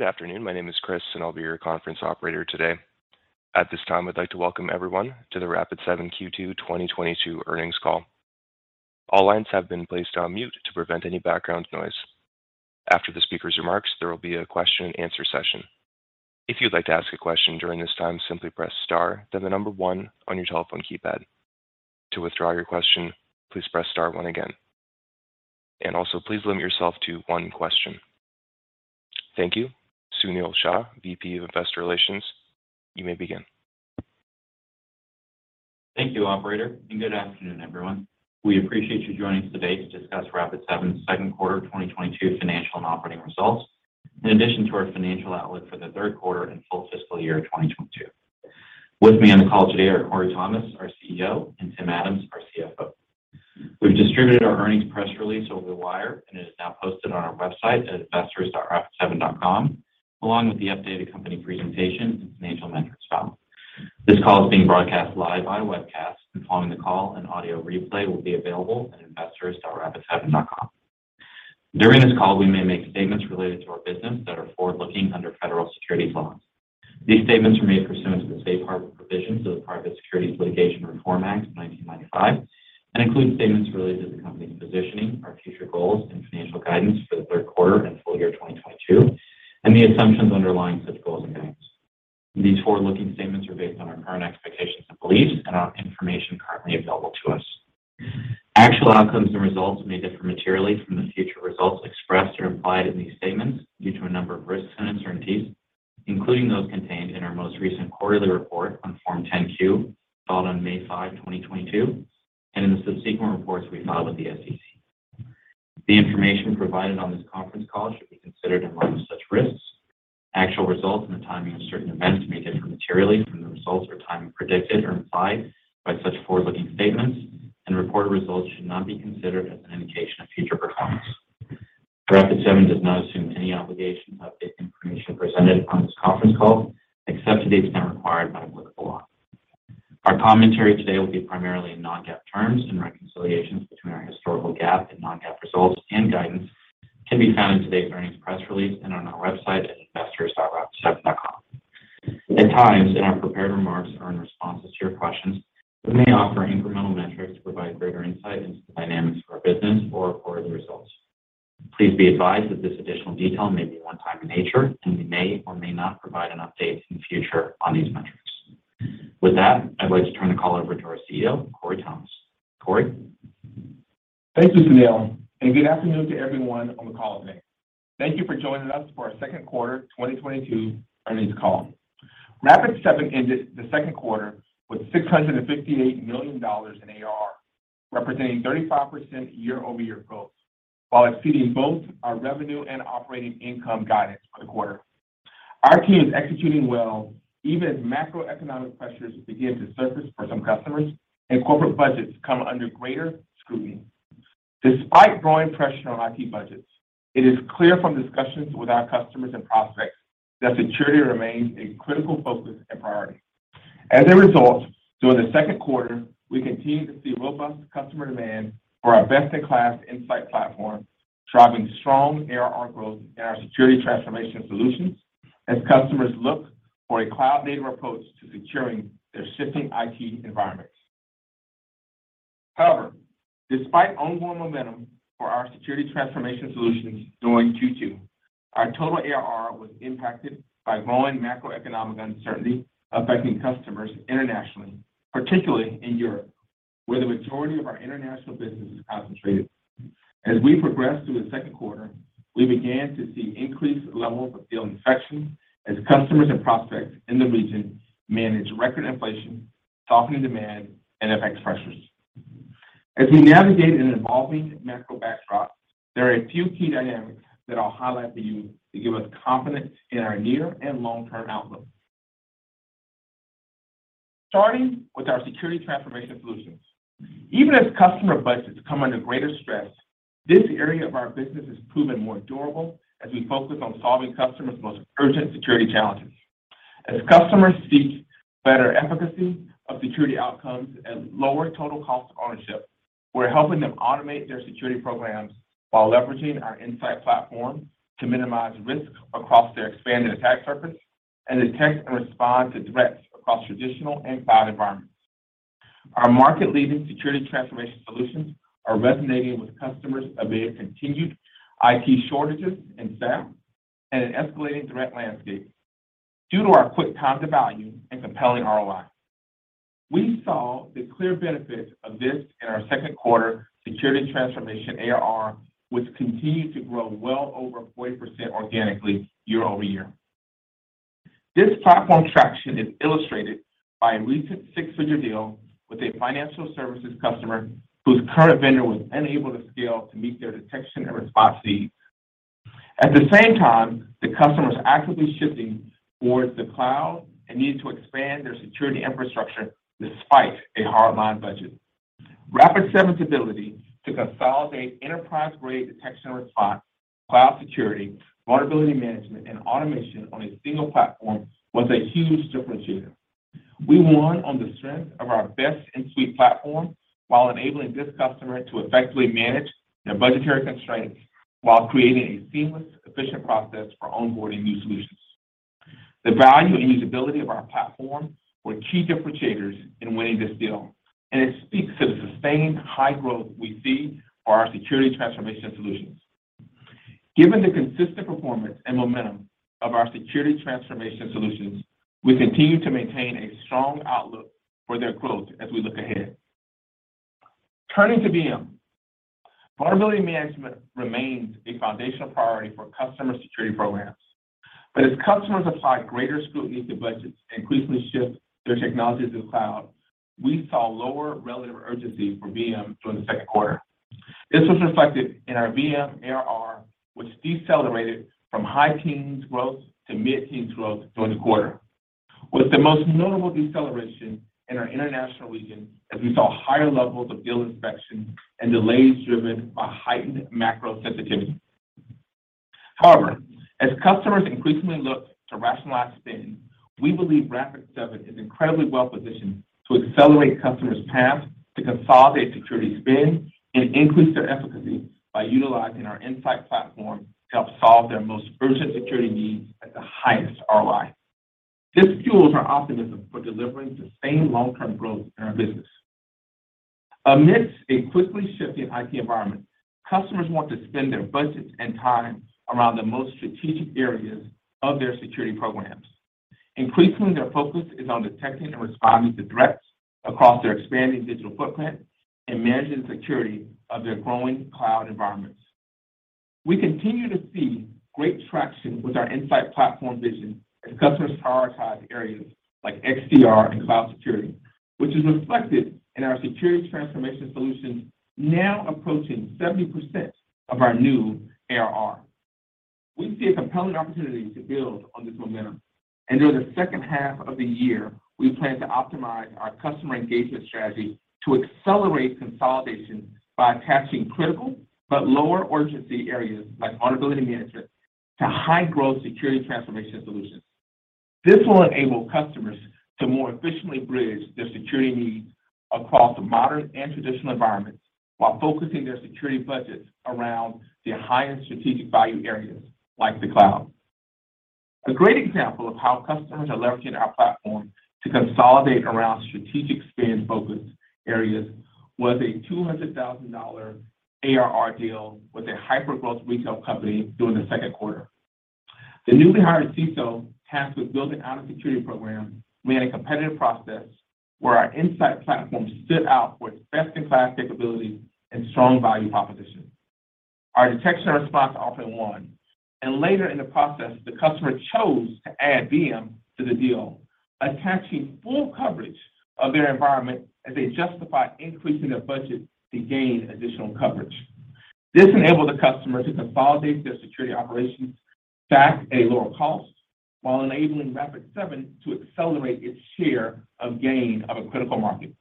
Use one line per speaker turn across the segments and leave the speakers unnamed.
Good afternoon. My name is Chris, and I'll be your conference operator today. At this time, I'd like to welcome everyone to the Rapid7 Q2 2022 earnings call. All lines have been placed on mute to prevent any background noise. After the speaker's remarks, there will be a question and answer session. If you'd like to ask a question during this time, simply press star, then the number one on your telephone keypad. To withdraw your question, please press star one again. Please limit yourself to one question. Thank you. Sunil Shah, VP of Investor Relations, you may begin.
Thank you, operator, and good afternoon, everyone. We appreciate you joining us today to discuss Rapid7's second quarter 2022 financial and operating results. In addition to our financial outlook for the third quarter and full fiscal year of 2022. With me on the call today are Corey Thomas, our CEO, and Tim Adams, our CFO. We've distributed our earnings press release over the wire, and it is now posted on our website at investors.rapid7.com, along with the updated company presentation and financial metrics file. This call is being broadcast live via webcast. Following the call, an audio replay will be available at investors.rapid7.com. During this call, we may make statements related to our business that are forward-looking under federal securities laws. These statements are made pursuant to the Safe Harbor provisions of the Private Securities Litigation Reform Act of 1995, and include statements related to the company's positioning, our future goals and financial guidance for the third quarter and full-year 2022, and the assumptions underlying such goals and guidance. These forward-looking statements are based on our current expectations and beliefs and on information currently available to us. Actual outcomes and results may differ materially from the future results expressed or implied in these statements due to a number of risks and uncertainties, including those contained in our most recent quarterly report on Form 10-Q, filed on May 5, 2022, and in the subsequent reports we filed with the SEC. The information provided on this conference call should be considered in light of such risks. Actual results and the timing of certain events may differ materially from the results or timing predicted or implied by such forward-looking statements. Reported results should not be considered as an indication of future performance. Rapid7 does not assume any obligation to update information presented on this conference call, except to the extent required by applicable law. Our commentary today will be primarily in non-GAAP terms and reconciliations between our historical GAAP and non-GAAP results and guidance can be found in today's earnings press release and on our website at investors.rapid7.com. At times, in our prepared remarks or in responses to your questions, we may offer incremental metrics to provide greater insight into the dynamics of our business or quarterly results. Please be advised that this additional detail may be one-time in nature, and we may or may not provide an update in the future on these metrics. With that, I'd like to turn the call over to our CEO, Corey Thomas. Corey?
Thank you, Sunil, and good afternoon to everyone on the call today. Thank you for joining us for our second quarter 2022 earnings call. Rapid7 ended the second quarter with $658 million in ARR, representing 35% year-over-year growth, while exceeding both our revenue and operating income guidance for the quarter. Our team is executing well even as macroeconomic pressures begin to surface for some customers and corporate budgets come under greater scrutiny. Despite growing pressure on IT budgets, it is clear from discussions with our customers and prospects that security remains a critical focus and priority. As a result, during the second quarter, we continued to see robust customer demand for our best-in-class Insight Platform, driving strong ARR growth in our security transformation solutions as customers look for a cloud-native approach to securing their shifting IT environments. However, despite ongoing momentum for our security transformation solutions during Q2, our total ARR was impacted by growing macroeconomic uncertainty affecting customers internationally, particularly in Europe, where the majority of our international business is concentrated. As we progressed through the second quarter, we began to see increased levels of deal inspections as customers and prospects in the region managed record inflation, softening demand, and FX pressures. As we navigate an evolving macro backdrop, there are a few key dynamics that I'll highlight for you to give us confidence in our near and long-term outlook. Starting with our security transformation solutions. Even as customer budgets come under greater stress, this area of our business has proven more durable as we focus on solving customers' most urgent security challenges. As customers seek better efficacy of security outcomes and lower total cost of ownership, we're helping them automate their security programs while leveraging our Insight Platform to minimize risk across their expanded attack surface, and detect and respond to threats across traditional and cloud environments. Our market-leading security transformation solutions are resonating with customers amid continued IT shortages in staff and an escalating threat landscape due to our quick time to value and compelling ROI. We saw the clear benefits of this in our second quarter security transformation ARR, which continued to grow well over 40% organically year-over-year. This platform traction is illustrated by a recent six-figure deal with a financial services customer whose current vendor was unable to scale to meet their detection and response needs. At the same time, the customer was actively shifting towards the cloud and needed to expand their security infrastructure despite a hardline budget. Rapid7's ability to consolidate enterprise-grade detection and response, cloud security, vulnerability management, and automation on a single platform was a huge differentiator. We won on the strength of our best-in-suite platform while enabling this customer to effectively manage their budgetary constraints while creating a seamless, efficient process for onboarding new solutions. The value and usability of our platform were key differentiators in winning this deal, and it speaks to the sustained high growth we see for our security transformation solutions. Given the consistent performance and momentum of our security transformation solutions, we continue to maintain a strong outlook for their growth as we look ahead. Turning to VM. Vulnerability management remains a foundational priority for customer security programs. As customers apply greater scrutiny to budgets and increasingly shift their technologies to the cloud, we saw lower relative urgency for VM during the second quarter. This was reflected in our VM ARR, which decelerated from high teens growth to mid-teens growth during the quarter, with the most notable deceleration in our international region, as we saw higher levels of deal inspection and delays driven by heightened macro sensitivity. However, as customers increasingly look to rationalize spend, we believe Rapid7 is incredibly well-positioned to accelerate customers' paths to consolidate security spend and increase their efficacy by utilizing our Insight Platform to help solve their most urgent security needs at the highest ROI. This fuels our optimism for delivering the same long-term growth in our business. Amidst a quickly shifting IT environment, customers want to spend their budgets and time around the most strategic areas of their security programs. Increasingly, their focus is on detecting and responding to threats across their expanding digital footprint and managing security of their growing cloud environments. We continue to see great traction with our Insight Platform vision as customers prioritize areas like XDR and cloud security, which is reflected in our security transformation solution now approaching 70% of our new ARR. We see a compelling opportunity to build on this momentum. During the second half of the year, we plan to optimize our customer engagement strategy to accelerate consolidation by attaching critical but lower urgency areas like vulnerability management to high-growth security transformation solutions. This will enable customers to more efficiently bridge their security needs across the modern and traditional environments while focusing their security budgets around their highest strategic value areas like the cloud. A great example of how customers are leveraging our platform to consolidate around strategic spend-focused areas was a $200,000 ARR deal with a hypergrowth retail company during the second quarter. The newly hired CISO tasked with building out a security program ran a competitive process where our Insight Platform stood out for its best-in-class capability and strong value proposition. Our detection and response often won, and later in the process, the customer chose to add VM to the deal, attaching full coverage of their environment as they justify increasing their budget to gain additional coverage. This enabled the customer to consolidate their security operations back at a lower cost while enabling Rapid7 to accelerate its share of gain of a critical market.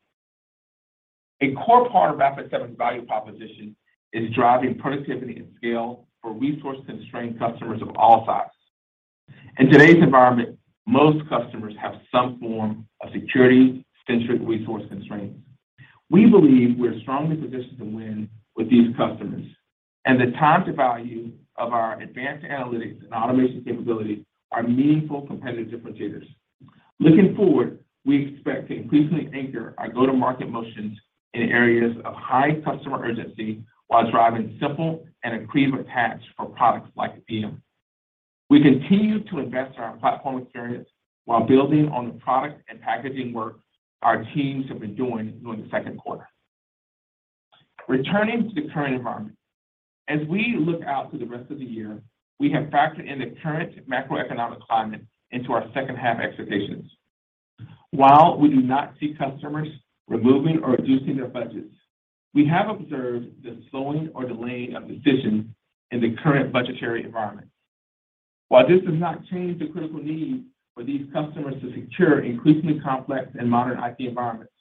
A core part of Rapid7's value proposition is driving productivity and scale for resource-constrained customers of all sizes. In today's environment, most customers have some form of security-centric resource constraints. We believe we're strongly positioned to win with these customers, and the time to value of our advanced analytics and automation capabilities are meaningful competitive differentiators. Looking forward, we expect to increasingly anchor our go-to-market motions in areas of high customer urgency while driving simple and accretive attach for products like VM. We continue to invest in our platform experience while building on the product and packaging work our teams have been doing during the second quarter. Returning to the current environment. As we look out to the rest of the year, we have factored in the current macroeconomic climate into our second-half expectations. While we do not see customers removing or reducing their budgets, we have observed the slowing or delaying of decisions in the current budgetary environment. While this does not change the critical need for these customers to secure increasingly complex and modern IT environments,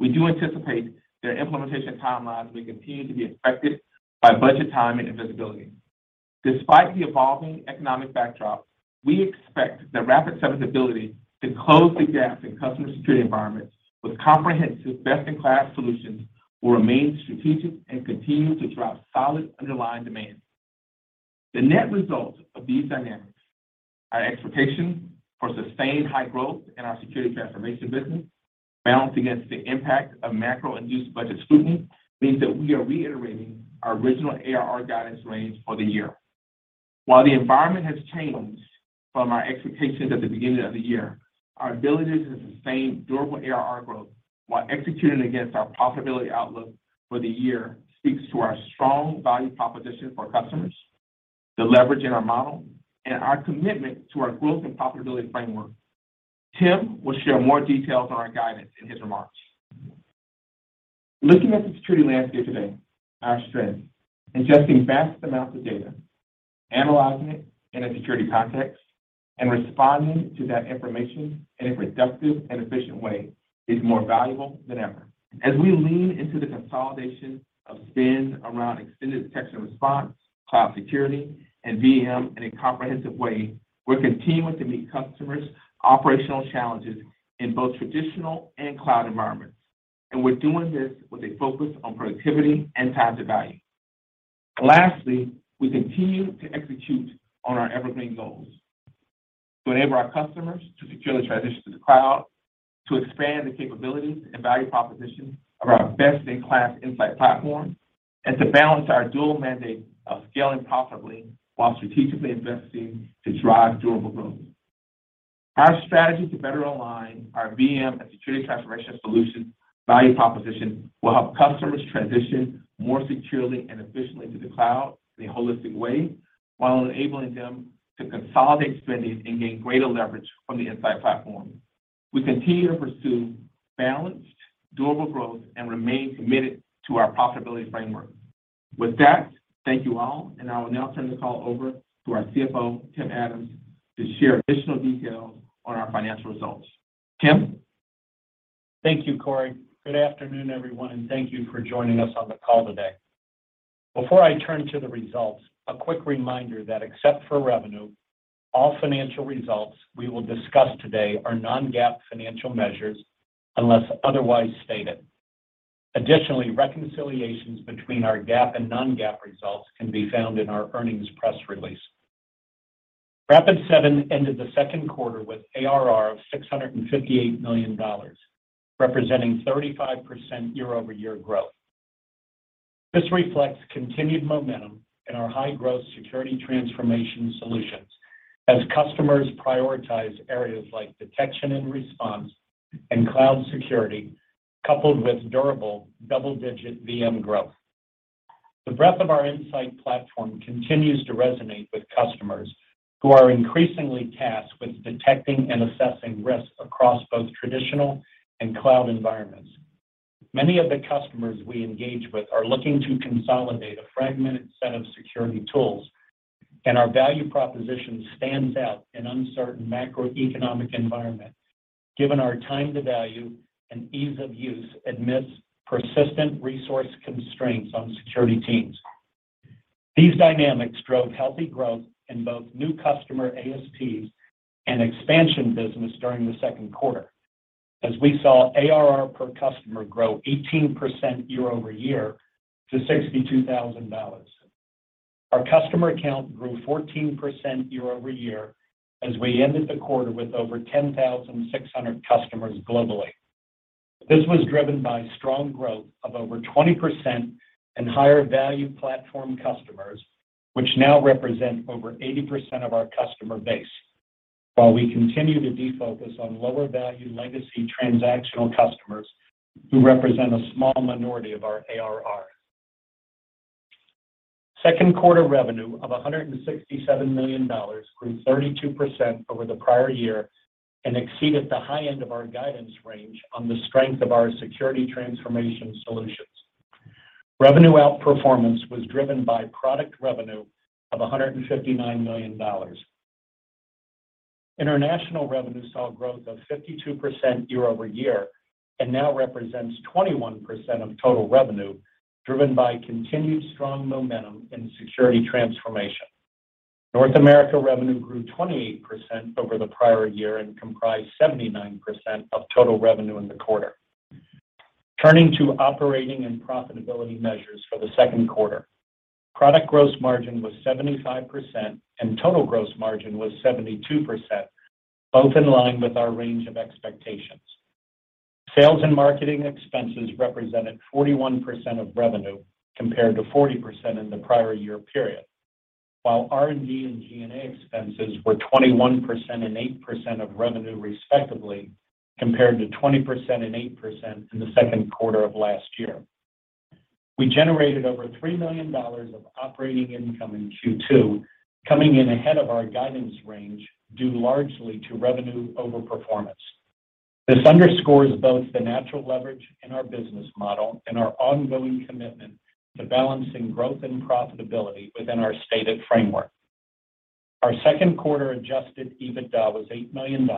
we do anticipate their implementation timelines will continue to be affected by budget timing and visibility. Despite the evolving economic backdrop, we expect that Rapid7's ability to close the gap in customer security environments with comprehensive, best-in-class solutions will remain strategic and continue to drive solid underlying demand. The net result of these dynamics are expectations for sustained high growth in our security transformation business balanced against the impact of macro-induced budget scrutiny means that we are reiterating our original ARR guidance range for the year. While the environment has changed from our expectations at the beginning of the year, our ability to sustain durable ARR growth while executing against our profitability outlook for the year speaks to our strong value proposition for customers, the leverage in our model, and our commitment to our growth and profitability framework. Tim will share more details on our guidance in his remarks. Looking at the security landscape today, our strength, ingesting vast amounts of data, analyzing it in a security context, and responding to that information in a productive and efficient way is more valuable than ever. As we lean into the consolidation of spend around extended detection response, cloud security and VM in a comprehensive way, we're continuing to meet customers' operational challenges in both traditional and cloud environments. We're doing this with a focus on productivity and time to value. Lastly, we continue to execute on our evergreen goals. To enable our customers to securely transition to the cloud, to expand the capabilities and value propositions of our best-in-class Insight Platform, and to balance our dual mandate of scaling profitably while strategically investing to drive durable growth. Our strategy to better align our VM and security transformation solutions value proposition will help customers transition more securely and efficiently to the cloud in a holistic way, while enabling them to consolidate spending and gain greater leverage from the Insight Platform. We continue to pursue balanced, durable growth and remain committed to our profitability framework. With that, thank you all, and I will now turn the call over to our CFO, Tim Adams, to share additional details on our financial results. Tim.
Thank you, Corey. Good afternoon, everyone, and thank you for joining us on the call today. Before I turn to the results, a quick reminder that except for revenue, all financial results we will discuss today are non-GAAP financial measures unless otherwise stated. Additionally, reconciliations between our GAAP and non-GAAP results can be found in our earnings press release. Rapid7 ended the second quarter with ARR of $658 million, representing 35% year-over-year growth. This reflects continued momentum in our high-growth security transformation solutions as customers prioritize areas like detection and response and cloud security, coupled with durable double-digit VM growth. The breadth of our Insight Platform continues to resonate with customers who are increasingly tasked with detecting and assessing risks across both traditional and cloud environments. Many of the customers we engage with are looking to consolidate a fragmented set of security tools, and our value proposition stands out in uncertain macroeconomic environment, given our time to value and ease of use amidst persistent resource constraints on security teams. These dynamics drove healthy growth in both new customer ASPs and expansion business during the second quarter. As we saw ARR per customer grow 18% year-over-year to $62,000. Our customer count grew 14% year-over-year as we ended the quarter with over 10,600 customers globally. This was driven by strong growth of over 20% in higher value platform customers, which now represent over 80% of our customer base. While we continue to defocus on lower value legacy transactional customers who represent a small minority of our ARR. Second quarter revenue of $167 million grew 32% over the prior year and exceeded the high end of our guidance range on the strength of our security transformation solutions. Revenue outperformance was driven by product revenue of $159 million. International revenue saw growth of 52% year-over-year and now represents 21% of total revenue, driven by continued strong momentum in security transformation. North America revenue grew 28% over the prior year and comprised 79% of total revenue in the quarter. Turning to operating and profitability measures for the second quarter. Product gross margin was 75% and total gross margin was 72%, both in line with our range of expectations. Sales and marketing expenses represented 41% of revenue, compared to 40% in the prior year period. While R&D and G&A expenses were 21% and 8% of revenue, respectively, compared to 20% and 8% in the second quarter of last year. We generated over $3 million of operating income in Q2, coming in ahead of our guidance range due largely to revenue overperformance. This underscores both the natural leverage in our business model and our ongoing commitment to balancing growth and profitability within our stated framework. Our second quarter adjusted EBITDA was $8 million.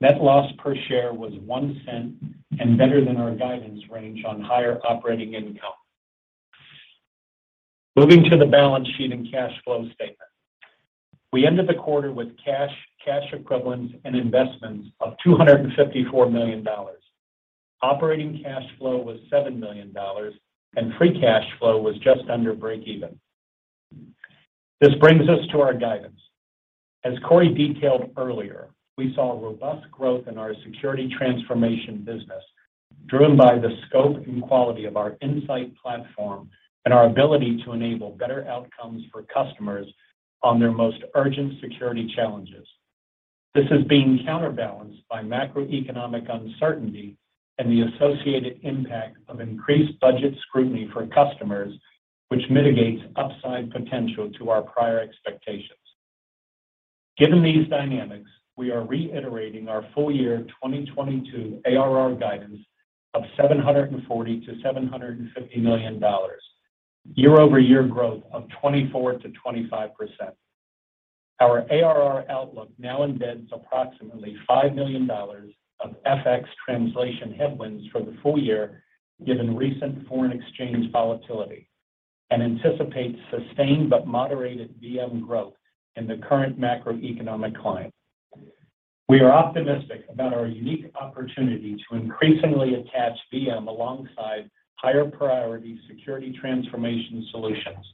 Net loss per share was $0.01 and better than our guidance range on higher operating income. Moving to the balance sheet and cash flow statement. We ended the quarter with cash equivalents and investments of $254 million. Operating cash flow was $7 million and free cash flow was just under breakeven. This brings us to our guidance. As Corey detailed earlier, we saw robust growth in our security transformation business, driven by the scope and quality of our Insight Platform and our ability to enable better outcomes for customers on their most urgent security challenges. This is being counterbalanced by macroeconomic uncertainty and the associated impact of increased budget scrutiny for customers, which mitigates upside potential to our prior expectations. Given these dynamics, we are reiterating our full-year 2022 ARR guidance of $740 million-$750 million, year-over-year growth of 24%-25%. Our ARR outlook now embeds approximately $5 million of FX translation headwinds for the full year, given recent foreign exchange volatility and anticipates sustained but moderated VM growth in the current macroeconomic climate. We are optimistic about our unique opportunity to increasingly attach VM alongside higher priority security transformation solutions,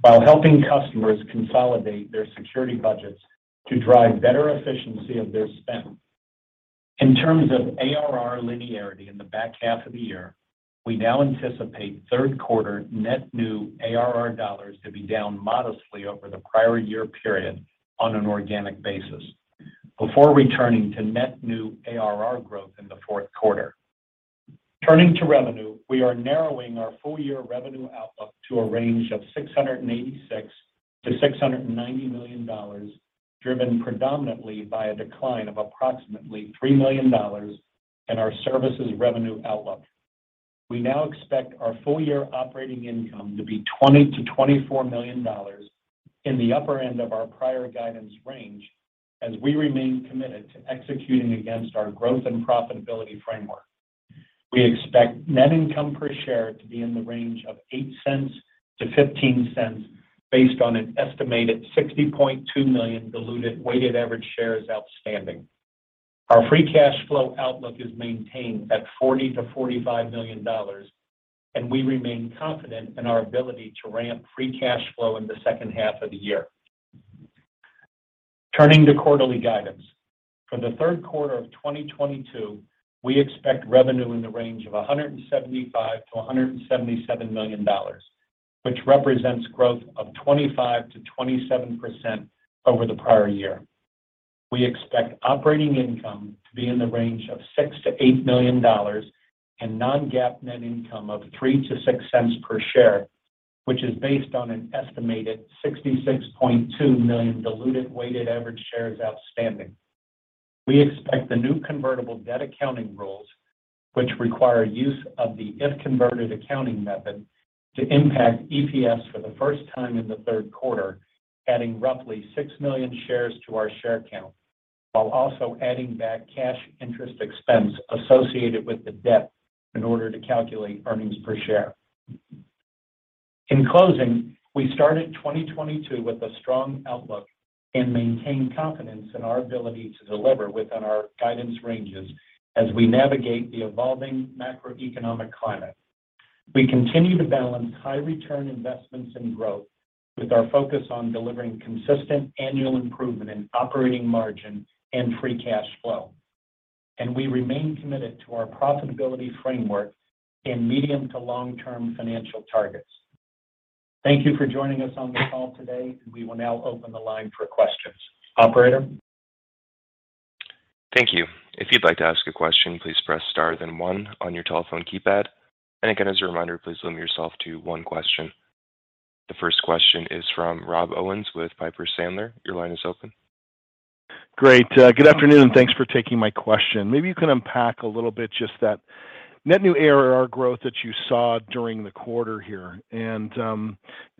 while helping customers consolidate their security budgets to drive better efficiency of their spend. In terms of ARR linearity in the back half of the year, we now anticipate third quarter net new ARR dollars to be down modestly over the prior year period on an organic basis, before returning to net new ARR growth in the fourth quarter. Turning to revenue, we are narrowing our full-year revenue outlook to a range of $686 million-$690 million, driven predominantly by a decline of approximately $3 million in our services revenue outlook. We now expect our full-year operating income to be $20 million-$24 million in the upper end of our prior guidance range, as we remain committed to executing against our growth and profitability framework. We expect net income per share to be in the range of $0.08-$0.15 based on an estimated 60.2 million diluted weighted average shares outstanding. Our free cash flow outlook is maintained at $40 million-$45 million, and we remain confident in our ability to ramp free cash flow in the second half of the year. Turning to quarterly guidance. For the third quarter of 2022, we expect revenue in the range of $175 million-$177 million, which represents growth of 25%-27% over the prior year. We expect operating income to be in the range of $6 million-$8 million and non-GAAP net income of $0.03-$0.06 per share, which is based on an estimated 66.2 million diluted weighted average shares outstanding. We expect the new convertible debt accounting rules, which require use of the if converted accounting method, to impact EPS for the first time in the third quarter, adding roughly 6 million shares to our share count, while also adding back cash interest expense associated with the debt in order to calculate earnings per share. In closing, we started 2022 with a strong outlook and maintain confidence in our ability to deliver within our guidance ranges as we navigate the evolving macroeconomic climate. We continue to balance high return investments and growth with our focus on delivering consistent annual improvement in operating margin and free cash flow. We remain committed to our profitability framework in medium to long-term financial targets. Thank you for joining us on the call today, and we will now open the line for questions. Operator?
Thank you. If you'd like to ask a question, please press star then one on your telephone keypad. Again, as a reminder, please limit yourself to one question. The first question is from Rob Owens with Piper Sandler. Your line is open.
Great. Good afternoon, and thanks for taking my question. Maybe you can unpack a little bit just that net new ARR growth that you saw during the quarter here.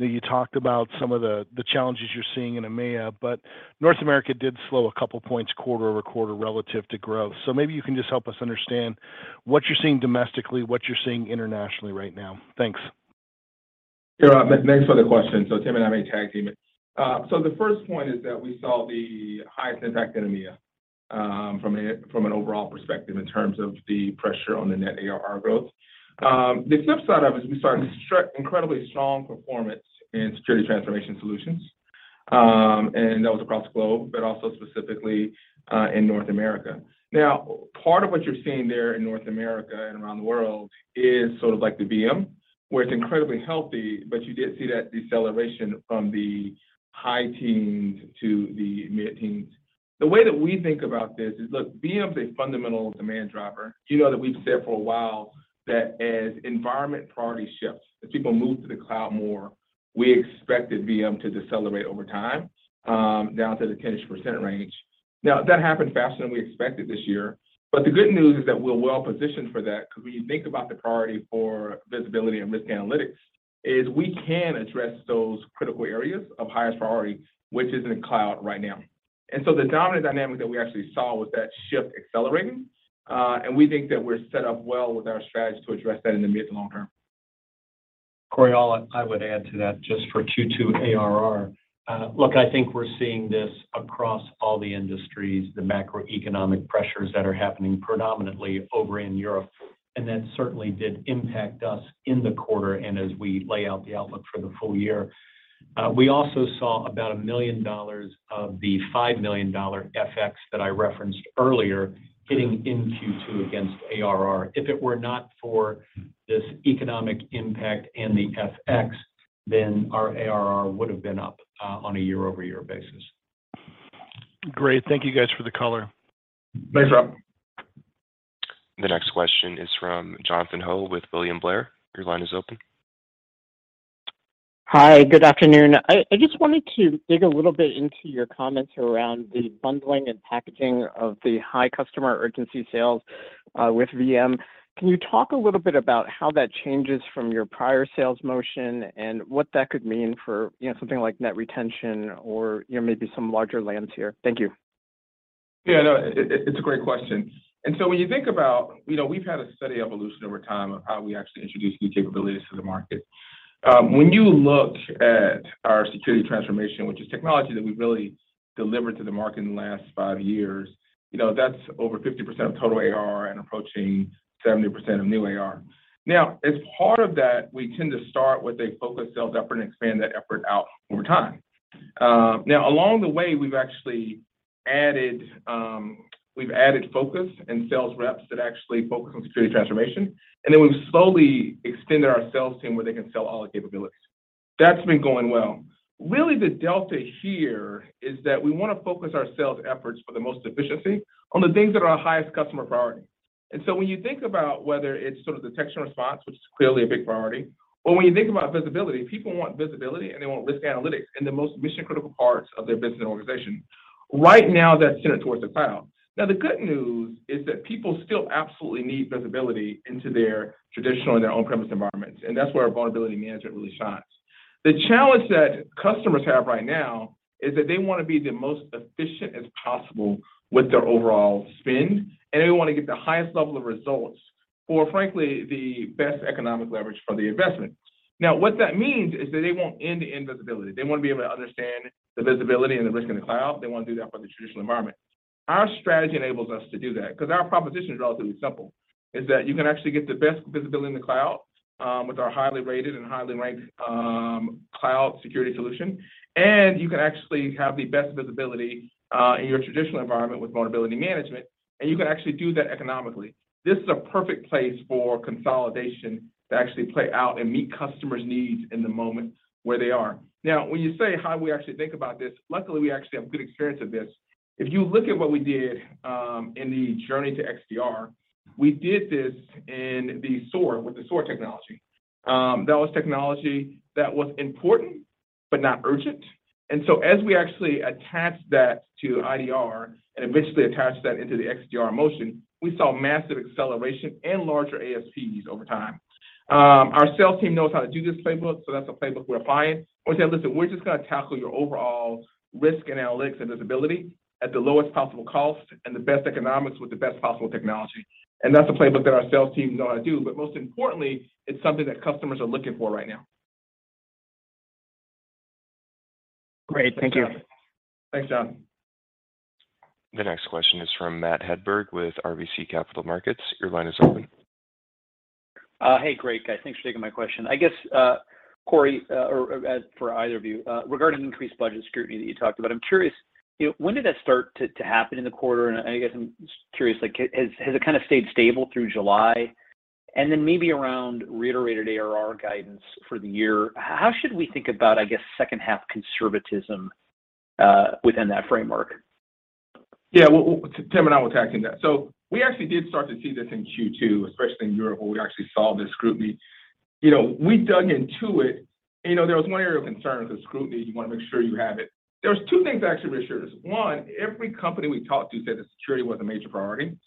You talked about some of the challenges you're seeing in EMEA, but North America did slow a couple points quarter-over-quarter relative to growth. Maybe you can just help us understand what you're seeing domestically, what you're seeing internationally right now. Thanks.
Sure. Thanks for the question. Tim and I may tag team it. The first point is that we saw the highest impact in EMEA, from an overall perspective in terms of the pressure on the net ARR growth. The flip side is we saw an incredibly strong performance in security transformation solutions, and that was across the globe, but also specifically, in North America. Now, part of what you're seeing there in North America and around the world is sort of like the VM, where it's incredibly healthy, but you did see that deceleration from the high teens to the mid-teens. The way that we think about this is, look, VM is a fundamental demand driver. You know that we've said for a while that as environment priority shifts, as people move to the cloud more, we expected VM to decelerate over time, down to the 10-ish% range. Now, that happened faster than we expected this year. The good news is that we're well positioned for that because when you think about the priority for visibility and risk analytics is we can address those critical areas of highest priority, which is in the cloud right now. The dominant dynamic that we actually saw was that shift accelerating, and we think that we're set up well with our strategy to address that in the mid to long term.
Corey, all I would add to that just for Q2 ARR. Look, I think we're seeing this across all the industries, the macroeconomic pressures that are happening predominantly over in Europe, and that certainly did impact us in the quarter and as we lay out the outlook for the full year. We also saw about $1 million of the $5 million FX that I referenced earlier hitting in Q2 against ARR. If it were not for this economic impact and the FX, then our ARR would have been up on a year-over-year basis.
Great. Thank you guys for the color.
Thanks, Rob.
The next question is from Jonathan Ho with William Blair. Your line is open.
Hi. Good afternoon. I just wanted to dig a little bit into your comments around the bundling and packaging of the high customer urgency sales with VM. Can you talk a little bit about how that changes from your prior sales motion and what that could mean for, you know, something like net retention or, you know, maybe some larger lands here? Thank you.
Yeah, no, it's a great question. When you think about, you know, we've had a steady evolution over time of how we actually introduce new capabilities to the market. When you look at our security transformation, which is technology that we've really delivered to the market in the last five years, you know, that's over 50% of total ARR and approaching 70% of new ARR. Now, as part of that, we tend to start with a focused sales effort and expand that effort out over time. Now along the way, we've actually added focus and sales reps that actually focus on security transformation, and then we've slowly extended our sales team where they can sell all the capabilities. That's been going well. Really the delta here is that we wanna focus our sales efforts for the most efficiency on the things that are our highest customer priority. When you think about whether it's sort of detection response, which is clearly a big priority, or when you think about visibility, people want visibility and they want risk analytics in the most mission-critical parts of their business and organization. Right now, that's centered towards the cloud. Now, the good news is that people still absolutely need visibility into their traditional and their on-premise environments, and that's where our vulnerability management really shines. The challenge that customers have right now is that they wanna be the most efficient as possible with their overall spend, and they wanna get the highest level of results for, frankly, the best economic leverage for the investment. Now, what that means is that they want end-to-end visibility. They wanna be able to understand the visibility and the risk in the cloud. They wanna do that for the traditional environment. Our strategy enables us to do that 'cause our proposition is relatively simple, is that you can actually get the best visibility in the cloud with our highly rated and highly ranked cloud security solution, and you can actually have the best visibility in your traditional environment with vulnerability management, and you can actually do that economically. This is a perfect place for consolidation to actually play out and meet customers' needs in the moment where they are. Now, when you say how we actually think about this, luckily, we actually have good experience of this. If you look at what we did in the journey to XDR, we did this in the SOAR, with the SOAR technology. That was technology that was important but not urgent. As we actually attached that to IDR and eventually attached that into the XDR motion, we saw massive acceleration and larger ASPs over time. Our sales team knows how to do this playbook, so that's a playbook we're applying. We say, "Listen, we're just gonna tackle your overall risk analytics and visibility at the lowest possible cost and the best economics with the best possible technology." That's a playbook that our sales team know how to do, but most importantly, it's something that customers are looking for right now.
Great. Thank you.
Thanks, John.
The next question is from Matt Hedberg with RBC Capital Markets. Your line is open.
Hey, great, guys. Thanks for taking my question. I guess, Corey, or for either of you, regarding increased budget scrutiny that you talked about, I'm curious, you know, when did that start to happen in the quarter? I guess I'm just curious, like, has it kind of stayed stable through July? Maybe around reiterated ARR guidance for the year, how should we think about, I guess, second half conservatism within that framework?
Yeah. Well, Tim and I were talking that. We actually did start to see this in Q2, especially in Europe, where we actually saw the scrutiny. You know, we dug into it. You know, there was one area of concern with the scrutiny. You wanna make sure you have it. There was two things that actually reassured us. One, every company we talked to said that security was a major priority.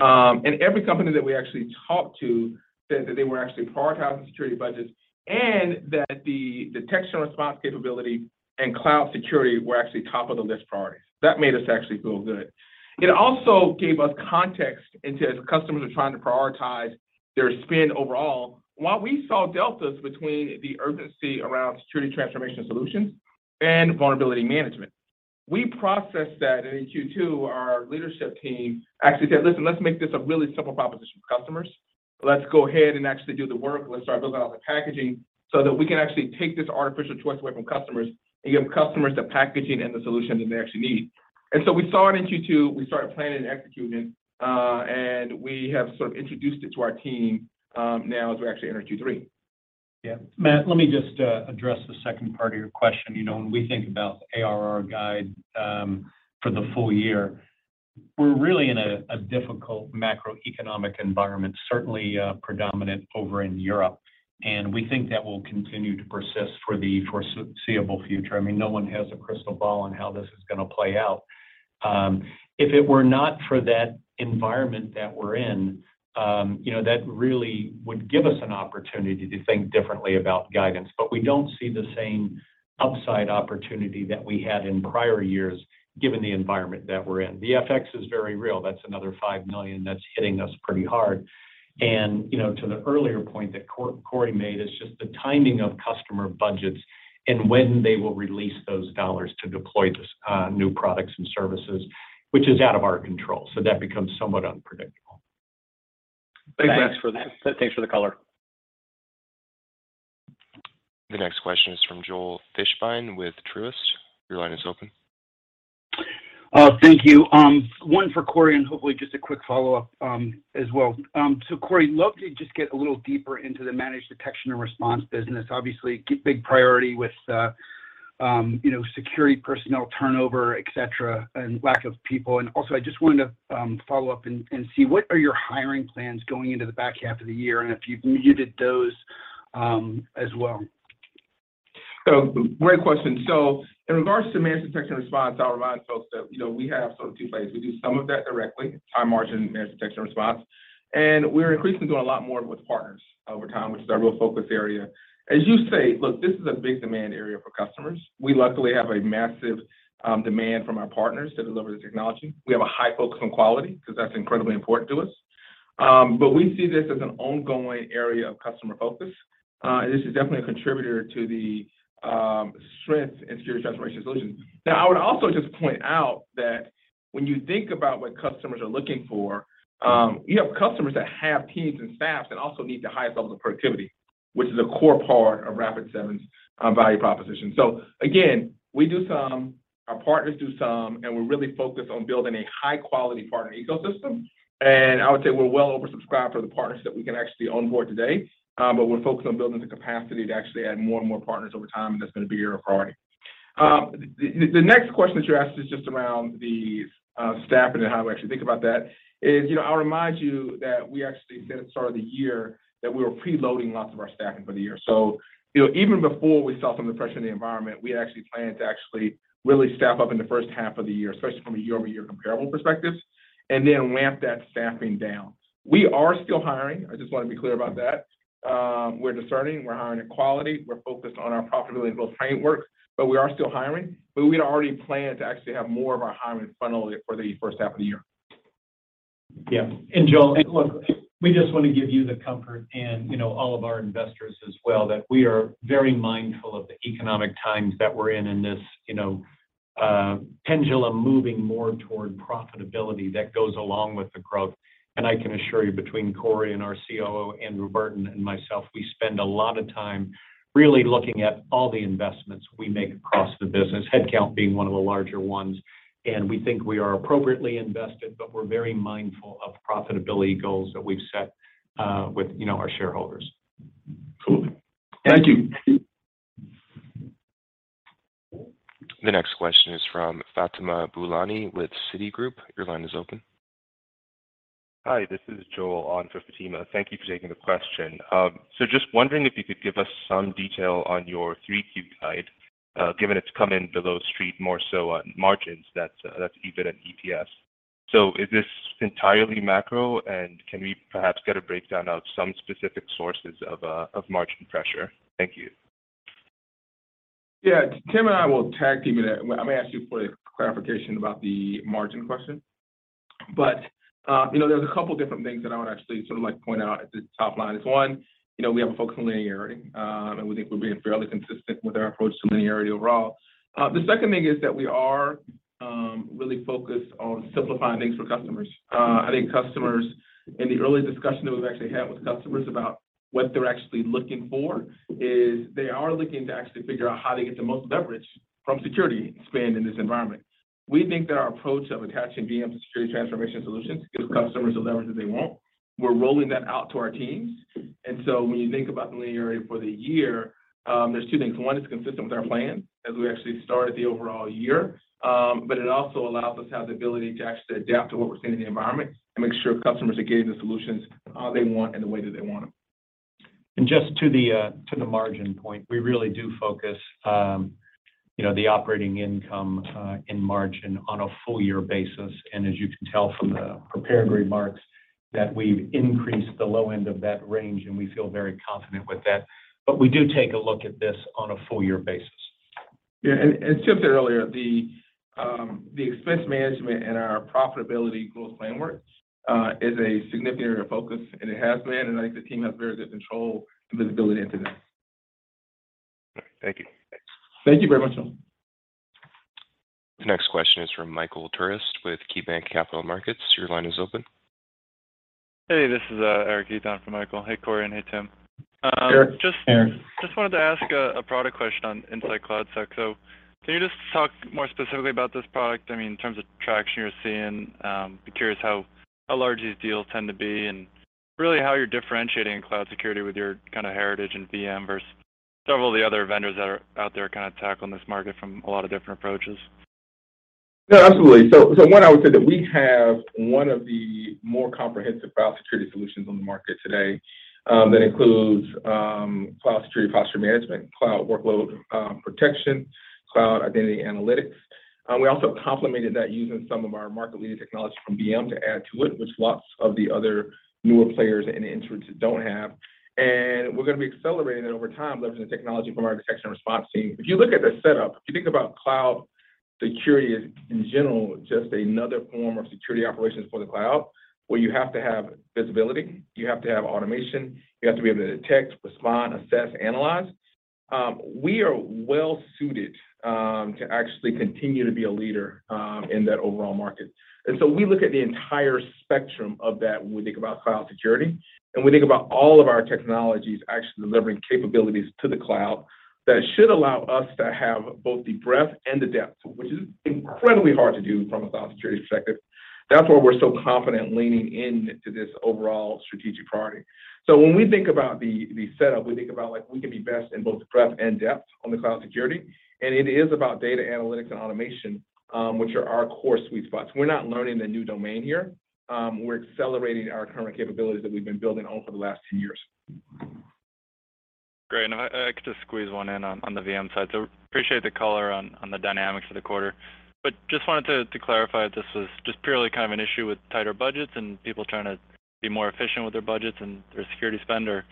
Every company that we actually talked to said that they were actually prioritizing security budgets and that the detection response capability and cloud security were actually top-of-the-list priorities. That made us actually feel good. It also gave us context into, as customers are trying to prioritize their spend overall. While we saw deltas between the urgency around security transformation solutions and vulnerability management, we processed that. In Q2, our leadership team actually said, "Listen, let's make this a really simple proposition for customers. Let's go ahead and actually do the work. Let's start building out the packaging so that we can actually take this artificial choice away from customers and give customers the packaging and the solutions that they actually need." We saw it in Q2. We started planning and executing it. We have sort of introduced it to our team, now as we actually enter Q3.
Yeah. Matt, let me just address the second part of your question. You know, when we think about ARR guide, for the full year, we're really in a difficult macroeconomic environment, certainly predominant over in Europe, and we think that will continue to persist for the foreseeable future. I mean, no one has a crystal ball on how this is gonna play out. If it were not for that environment that we're in, you know, that really would give us an opportunity to think differently about guidance. But we don't see the same upside opportunity that we had in prior years given the environment that we're in. The FX is very real. That's another $5 million that's hitting us pretty hard. You know, to the earlier point that Corey made, it's just the timing of customer budgets and when they will release those dollars to deploy this new products and services, which is out of our control. That becomes somewhat unpredictable.
Thanks.
Thanks, Matt.
Thanks for the color.
The next question is from Joel Fishbein with Truist. Your line is open.
Thank you. One for Corey, and hopefully just a quick follow-up as well. So Corey, love to just get a little deeper into the managed detection and response business. Obviously, big priority with you know, security personnel turnover, etc., and lack of people. Also, I just wanted to follow up and see what are your hiring plans going into the back half of the year and if you've muted those as well?
Great question. In regards to managed detection response, I'll remind folks that, you know, we have sort of two phases. We do some of that directly, high margin managed detection response, and we're increasingly doing a lot more with partners over time, which is our real focus area. As you say, look, this is a big demand area for customers. We luckily have a massive demand from our partners to deliver the technology. We have a high focus on quality 'cause that's incredibly important to us. We see this as an ongoing area of customer focus, and this is definitely a contributor to the strength in security transformation solutions. Now, I would also just point out that when you think about what customers are looking for, you have customers that have teams and staffs that also need the highest levels of productivity, which is a core part of Rapid7's value proposition. Again, we do some, our partners do some, and we're really focused on building a high-quality partner ecosystem. I would say we're well-oversubscribed for the partners that we can actually onboard today, but we're focused on building the capacity to actually add more and more partners over time, and that's gonna be a priority. The next question that you asked is just around the staffing and how we actually think about that is, you know, I'll remind you that we actually said at the start of the year that we were pre-loading lots of our staffing for the year. You know, even before we saw some depression in the environment, we had actually planned to really staff up in the first half of the year, especially from a year-over-year comparable perspective, and then ramp that staffing down. We are still hiring. I just wanna be clear about that. We're discerning. We're hiring in quality. We're focused on our profitability goals framework, but we are still hiring. We had already planned to actually have more of our hiring funneled for the first half of the year.
Yeah. Joel, look, we just wanna give you the comfort, and you know, all of our investors as well, that we are very mindful of the economic times that we're in in this, you know, pendulum moving more toward profitability that goes along with the growth. I can assure you between Corey and our COO, Andrew Burton, and myself, we spend a lot of time really looking at all the investments we make across the business, headcount being one of the larger ones. We think we are appropriately invested, but we're very mindful of profitability goals that we've set, with, you know, our shareholders.
Cool. Thank you.
The next question is from Fatima Boolani with Citigroup. Your line is open.
Hi, this is Joel on for Fatima. Thank you for taking the question. Just wondering if you could give us some detail on your 3Q guide, given it's come in below street more so on margins that's even on EPS. Is this entirely macro, and can we perhaps get a breakdown of some specific sources of margin pressure? Thank you.
Yeah. Tim and I will tag team it. I'm gonna ask you for clarification about the margin question. You know, there's a couple different things that I would actually sort of like to point out. At the top line is one, you know, we have a focus on linearity, and we think we're being fairly consistent with our approach to linearity overall. The second thing is that we are really focused on simplifying things for customers. I think customers. In the early discussion that we've actually had with customers about what they're actually looking for is they are looking to actually figure out how to get the most leverage from security spend in this environment. We think that our approach of attaching VM to security transformation solutions gives customers the leverage that they want. We're rolling that out to our teams. When you think about linearity for the year, there's two things. One, it's consistent with our plan as we actually started the overall year, but it also allows us to have the ability to actually adapt to what we're seeing in the environment and make sure customers are getting the solutions they want in the way that they want them.
Just to the margin point, we really do focus, you know, the operating income in margin on a full-year basis. As you can tell from the prepared remarks that we've increased the low end of that range, and we feel very confident with that. We do take a look at this on a full-year basis.
Tim said earlier, the expense management and our profitability goals framework is a significant area of focus, and it has been, and I think the team has very good control and visibility into that.
All right. Thank you.
Thanks.
Thank you very much, Joel.
The next question is from Michael Turits with KeyBanc Capital Markets. Your line is open.
Hey, this is Eric Heath for Michael. Hey, Corey, and hey, Tim.
Hey, Eric.
Hey, Eric.
Just wanted to ask a product question on InsightCloudSec. Can you just talk more specifically about this product? I mean, in terms of traction you're seeing, be curious how large these deals tend to be and really how you're differentiating cloud security with your kinda heritage in VM versus several of the other vendors that are out there kinda tackling this market from a lot of different approaches.
Yeah, absolutely. One, I would say that we have one of the more comprehensive cloud security solutions on the market today that includes cloud security posture management, cloud workload protection, cloud identity analytics. We also complemented that using some of our market-leading technology from VM to add to it, which lots of the other newer players and entrants don't have. We're gonna be accelerating it over time, leveraging technology from our detection and response team. If you look at the setup, if you think about cloud security in general, just another form of security operations for the cloud where you have to have visibility, you have to have automation, you have to be able to detect, respond, assess, analyze. We are well suited to actually continue to be a leader in that overall market. We look at the entire spectrum of that when we think about cloud security, and we think about all of our technologies actually delivering capabilities to the cloud that should allow us to have both the breadth and the depth, which is incredibly hard to do from a cloud security perspective. That's why we're so confident leaning into this overall strategic priority. When we think about the setup, we think about, like, we can be best in both breadth and depth on the cloud security, and it is about data analytics and automation, which are our core sweet spots. We're not learning a new domain here. We're accelerating our current capabilities that we've been building on for the last two years.
Great. If I could just squeeze one in on the VM side. Appreciate the color on the dynamics of the quarter. Just wanted to clarify if this was just purely kind of an issue with tighter budgets and people trying to be more efficient with their budgets and their security spend, or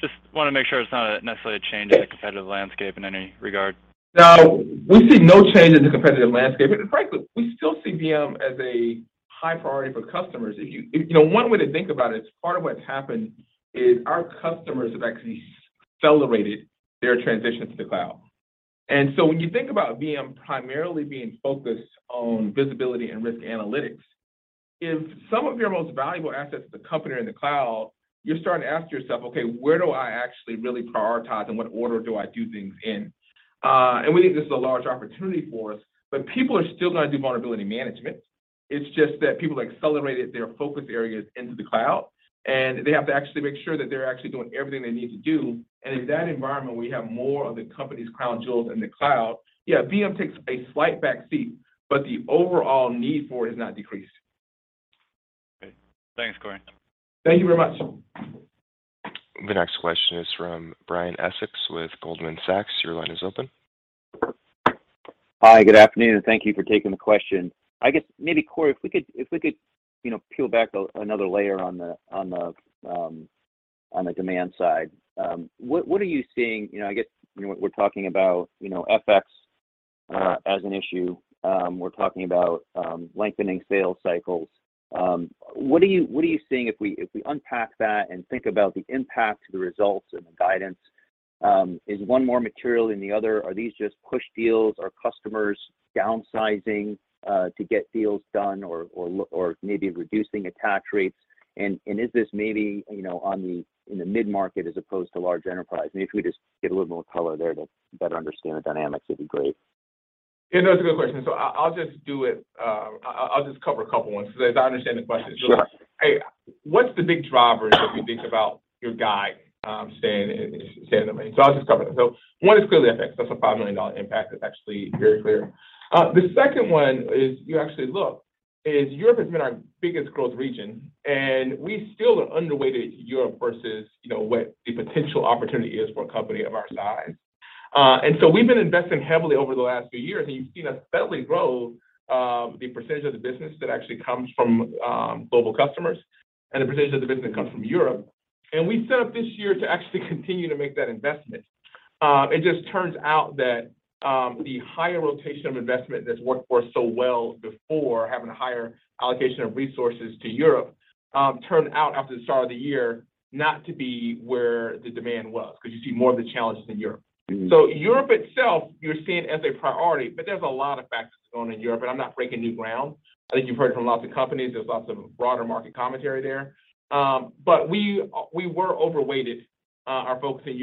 just wanna make sure it's not necessarily a change in the competitive landscape in any regard.
No, we see no change in the competitive landscape. Frankly, we still see VM as a high priority for customers. If, you know, one way to think about it is part of what's happened is our customers have actually accelerated their transition to the cloud. When you think about VM primarily being focused on visibility and risk analytics, if some of your most valuable assets as a company are in the cloud, you're starting to ask yourself, "Okay, where do I actually really prioritize, and what order do I do things in?" We think this is a large opportunity for us, but people are still gonna do vulnerability management. It's just that people accelerated their focus areas into the cloud, and they have to actually make sure that they're actually doing everything they need to do. In that environment, we have more of the company's crown jewels in the cloud. Yeah, VM takes a slight back seat, but the overall need for it has not decreased.
Okay. Thanks, Corey.
Thank you very much.
The next question is from Brian Essex with Goldman Sachs. Your line is open.
Hi, good afternoon, and thank you for taking the question. I guess maybe, Corey, if we could, you know, peel back another layer on the demand side. What are you seeing? You know, I guess, you know, we're talking about, you know, FX as an issue. We're talking about lengthening sales cycles. What are you seeing if we unpack that and think about the impact to the results and the guidance? Is one more material than the other? Are these just push deals? Are customers downsizing to get deals done or maybe reducing attach rates? And is this maybe, you know, in the mid-market as opposed to large enterprise? Maybe if we just get a little more color there to better understand the dynamics, it'd be great.
Yeah, no, it's a good question. I'll just do it. I'll just cover a couple ones because as I understand the question.
Sure.
It's really, hey, what's the big drivers when you think about your guide staying on the money? I'll just cover them. One is clearly FX. That's a $5 million impact. That's actually very clear. The second one is, if you actually look, Europe has been our biggest growth region, and we still are underweight Europe versus, you know, what the potential opportunity is for a company of our size. And so we've been investing heavily over the last few years, and you've seen us steadily grow the percentage of the business that actually comes from global customers and the percentage of the business that comes from Europe. We're set up this year to actually continue to make that investment. It just turns out that the higher rotation of investment that's worked for us so well before, having a higher allocation of resources to Europe, turned out after the start of the year not to be where the demand was, 'cause you see more of the challenges in Europe. Europe itself, you're seeing as a priority, but there's a lot of factors going on in Europe, and I'm not breaking new ground. I think you've heard from lots of companies, there's lots of broader market commentary there. We were overweighted, our folks in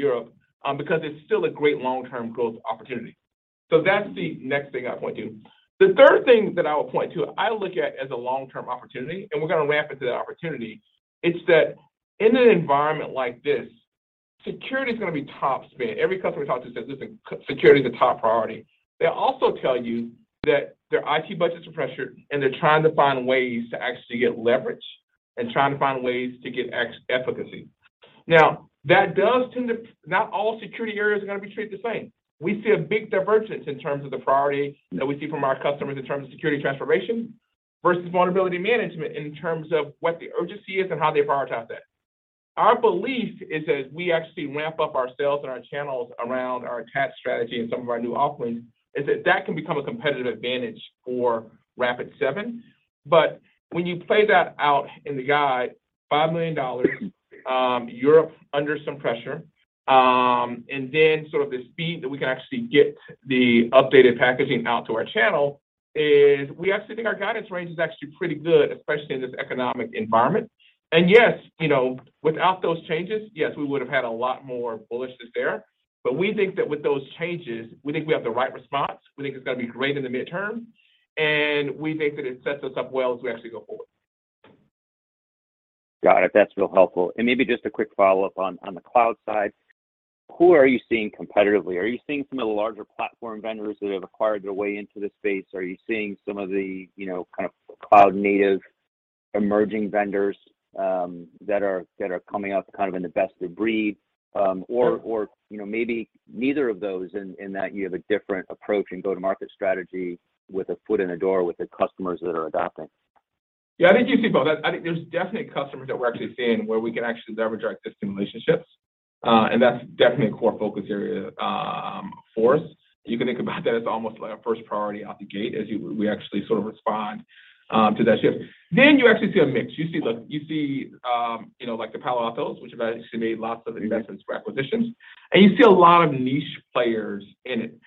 Europe, because it's still a great long-term growth opportunity. That's the next thing I point to. The third thing that I would point to, I look at as a long-term opportunity, and we're gonna ramp into that opportunity, it's that in an environment like this, security's gonna be top spend. Every customer we talk to says, "Listen, security is a top priority." They also tell you that their IT budgets are pressured, and they're trying to find ways to actually get leverage and trying to find ways to get efficacy. Now, that does tend to. Not all security areas are gonna be treated the same. We see a big divergence in terms of the priority that we see from our customers in terms of security transformation versus vulnerability management in terms of what the urgency is and how they prioritize that. Our belief is, as we actually ramp up our sales and our channels around our attach strategy and some of our new offerings, that can become a competitive advantage for Rapid7. When you play that out in the guidance, $5 million, Europe under some pressure, and then sort of the speed that we can actually get the updated packaging out to our channel is we actually think our guidance range is actually pretty good, especially in this economic environment. Yes, you know, without those changes, yes, we would've had a lot more bullishness there. We think that with those changes, we think we have the right response. We think it's gonna be great in the medium term, and we think that it sets us up well as we actually go forward.
Got it. That's real helpful. Maybe just a quick follow-up on the cloud side. Who are you seeing competitively? Are you seeing some of the larger platform vendors that have acquired their way into the space? Are you seeing some of the, you know, kind of cloud native emerging vendors that are coming up kind of in the best of breed? Or, you know, maybe neither of those in that you have a different approach and go to market strategy with a foot in the door with the customers that are adopting.
Yeah, I think you see both. I think there's definitely customers that we're actually seeing where we can actually leverage our existing relationships, and that's definitely a core focus area for us. You can think about that as almost like our first priority out the gate as we actually sort of respond to that shift. You actually see a mix. You see you see, you know, like the Palo Alto, which have actually made lots of investments for acquisitions, and you see a lot of niche players in it.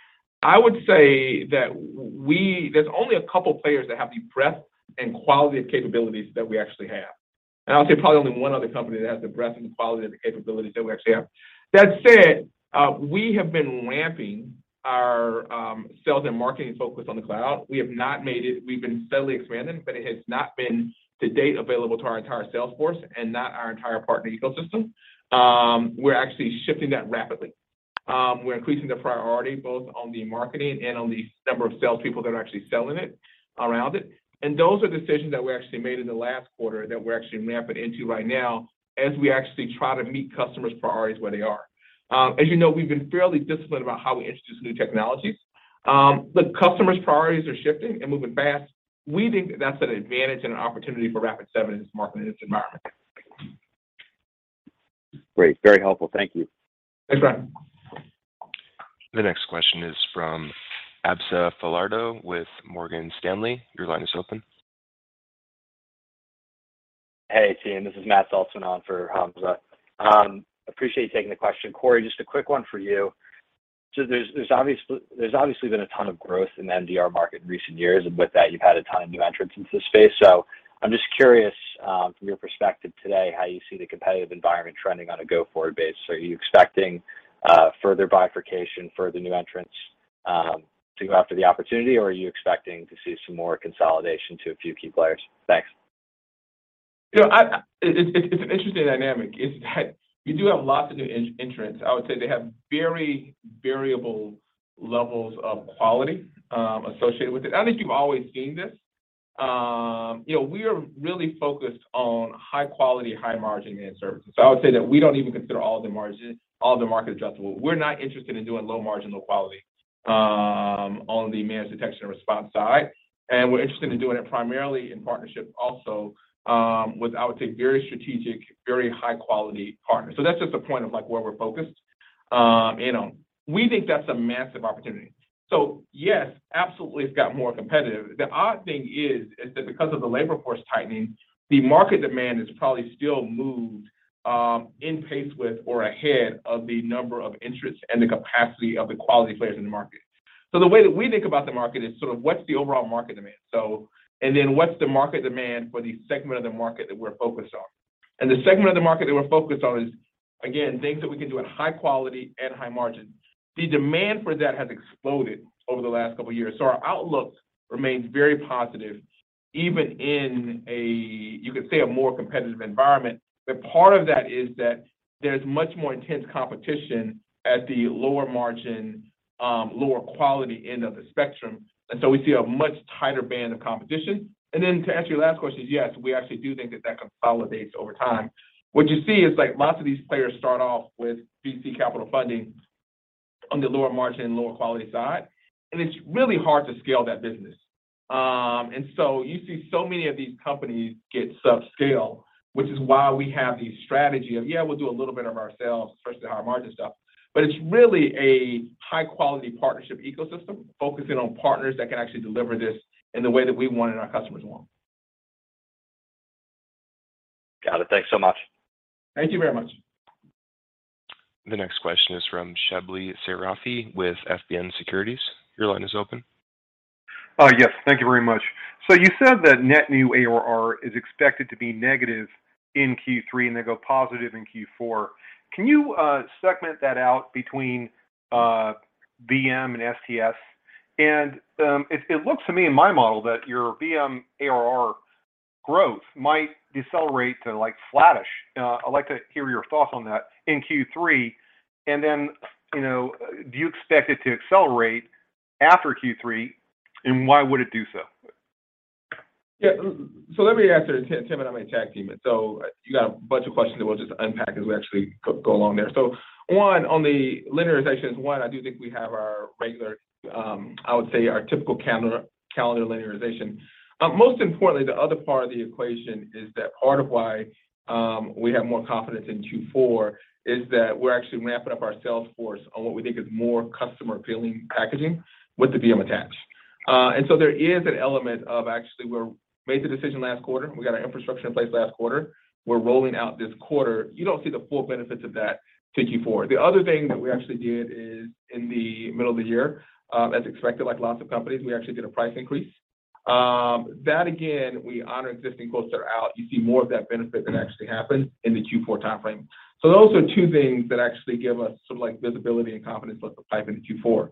I would say that there's only a couple players that have the breadth and quality of capabilities that we actually have, and I would say probably only one other company that has the breadth and quality of the capabilities that we actually have. That said, we have been ramping our sales and marketing focus on the cloud. We've been steadily expanding, but it has not been to date available to our entire sales force and not our entire partner ecosystem. We're actually shifting that rapidly. We're increasing the priority both on the marketing and on the number of salespeople that are actually selling it around it. Those are decisions that we actually made in the last quarter that we're actually mapping into right now as we actually try to meet customers' priorities where they are. As you know, we've been fairly disciplined about how we introduce new technologies. The customer's priorities are shifting and moving fast. We think that's an advantage and an opportunity for Rapid7 in this market and this environment.
Great. Very helpful. Thank you.
Thanks, Brian.
The next question is from Hamza Fodderwala with Morgan Stanley. Your line is open.
Hey, team. This is Matt Saltzman on for Hamza. Appreciate you taking the question. Corey, just a quick one for you. So there's obviously been a ton of growth in the MDR market in recent years, and with that, you've had a ton of new entrants into the space. So I'm just curious, from your perspective today, how you see the competitive environment trending on a go-forward basis. Are you expecting further bifurcation, further new entrants to go after the opportunity, or are you expecting to see some more consolidation to a few key players? Thanks.
You know, it's an interesting dynamic in that you do have lots of new entrants. I would say they have very variable levels of quality associated with it. I think you've always seen this. You know, we are really focused on high quality, high margin managed services. I would say that we don't even consider all the market addressable. We're not interested in doing low margin, low quality on the managed detection and response side. We're interested in doing it primarily in partnership also with, I would say, very strategic, very high quality partners. That's just a point, like, where we're focused. You know, we think that's a massive opportunity. Yes, absolutely, it's got more competitive. The odd thing is that because of the labor force tightening, the market demand is probably still moving in pace with or ahead of the number of entrants and the capacity of the quality players in the market. The way that we think about the market is sort of what's the overall market demand. What's the market demand for the segment of the market that we're focused on? The segment of the market that we're focused on is, again, things that we can do at high quality and high margin. The demand for that has exploded over the last couple of years. Our outlook remains very positive even in a, you could say, a more competitive environment. Part of that is that there's much more intense competition at the lower margin, lower quality end of the spectrum, and so we see a much tighter band of competition. Then to answer your last question is, yes, we actually do think that that consolidates over time. What you see is, like, lots of these players start off with VC capital funding on the lower margin and lower quality side, and it's really hard to scale that business. And so you see so many of these companies get subscale, which is why we have the strategy of, yeah, we'll do a little bit of our sales, especially higher margin stuff. It's really a high-quality partnership ecosystem focusing on partners that can actually deliver this in the way that we want and our customers want.
Got it. Thanks so much.
Thank you very much.
The next question is from Shebly Seyrafi with FBN Securities. Your line is open.
Yes. Thank you very much. You said that net new ARR is expected to be negative in Q3 and then go positive in Q4. Can you segment that out between VM and STS? It looks to me in my model that your VM ARR growth might decelerate to, like, flattish. I'd like to hear your thoughts on that in Q3. You know, do you expect it to accelerate after Q3, and why would it do so?
Yeah. Let me answer, Tim, and I'm gonna tag team it. You got a bunch of questions that we'll just unpack as we actually go along there. One, on the linearization is one, I do think we have our regular, I would say our typical calendar linearization. Most importantly, the other part of the equation is that part of why we have more confidence in Q4 is that we're actually ramping up our sales force on what we think is more customer-appealing packaging with the VM attach. There is an element of actually we made the decision last quarter. We got our infrastructure in place last quarter. We're rolling out this quarter. You don't see the full benefits of that till Q4. The other thing that we actually did is in the middle of the year, as expected, like lots of companies, we actually did a price increase. That again, we honor existing quotes that are out. You see more of that benefit that actually happened in the Q4 timeframe. Those are two things that actually give us some, like, visibility and confidence as we pipe into Q4.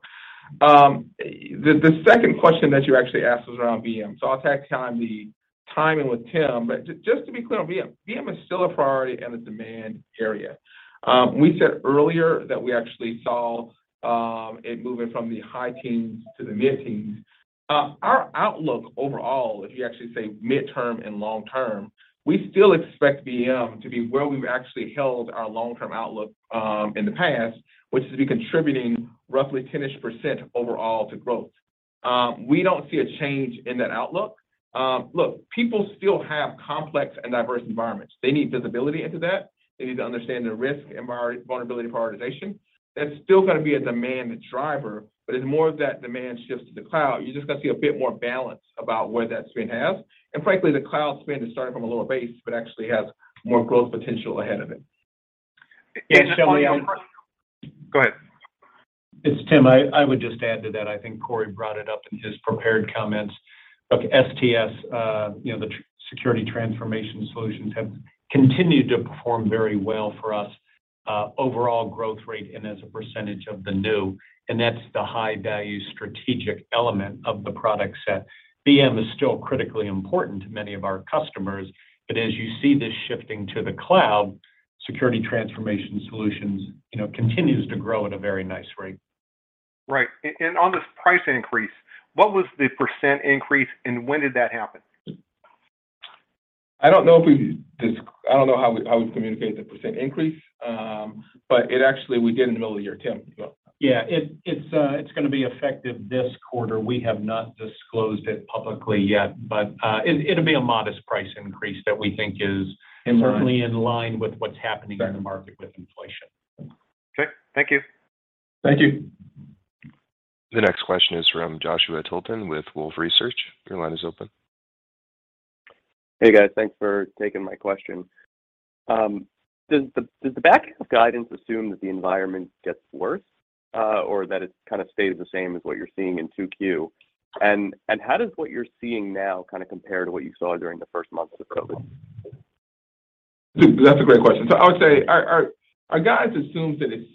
The second question that you actually asked was around VM, so I'll tag team the timing with Tim. Just to be clear on VM is still a priority and a demand area. We said earlier that we actually saw it moving from the high teens to the mid-teens. Our outlook overall, if you actually say midterm and long-term, we still expect VM to be where we've actually held our long-term outlook in the past, which is to be contributing roughly 10-ish% overall to growth. We don't see a change in that outlook. Look, people still have complex and diverse environments. They need visibility into that. They need to understand their risk and vulnerability prioritization. That's still gonna be a demand driver. But as more of that demand shifts to the cloud, you're just gonna see a bit more balance about where that spend happens. Frankly, the cloud spend is starting from a lower base, but actually has more growth potential ahead of it.
Yeah, Shebly, I would.
Go ahead.
It's Tim. I would just add to that. I think Corey brought it up in his prepared comments. Look, STS, you know, the Security Transformation Solutions have continued to perform very well for us, overall growth rate and as a percentage of the new, and that's the high value strategic element of the product set. VM is still critically important to many of our customers, but as you see this shifting to the cloud, Security Transformation Solutions, you know, continues to grow at a very nice rate.
Right. On this price increase, what was the percent increase and when did that happen?
I don't know how we've communicated the percent increase. Actually we did in the middle of the year. Tim, do you know?
Yeah. It's gonna be effective this quarter. We have not disclosed it publicly yet, but it'll be a modest price increase that we think is certainly in line with what's happening.
Right.
in the market with inflation.
Okay. Thank you.
Thank you.
The next question is from Joshua Tilton with Wolfe Research. Your line is open.
Hey, guys. Thanks for taking my question. Does the back half guidance assume that the environment gets worse, or that it kind of stays the same as what you're seeing in 2Q? How does what you're seeing now kind of compare to what you saw during the first months of COVID?
That's a great question. I would say our guidance assumes that it